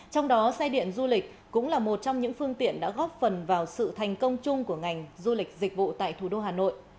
trong đó xe điện du lịch cũng là một trong những phương tiện đã góp phần vào sự thành công chung của ngành du lịch dịch vụ tại thủ đô hà nội